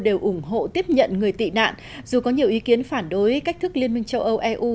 đều ủng hộ tiếp nhận người tị nạn dù có nhiều ý kiến phản đối cách thức liên minh châu âu eu